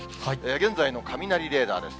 現在の雷レーダーです。